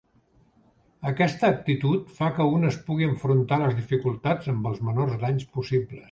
Aquesta actitud fa que un es pugui enfrontar a les dificultats amb els menors danys possibles.